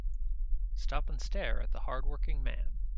Stop and stare at the hard working man.